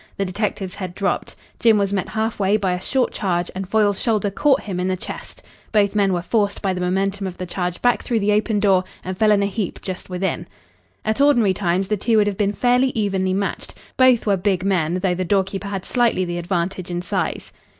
The detective's head dropped. Jim was met half way by a short charge and Foyle's shoulder caught him in the chest. Both men were forced by the momentum of the charge back through the open door and fell in a heap just within. At ordinary times the two would have been fairly evenly matched. Both were big men, though the door keeper had slightly the advantage in size.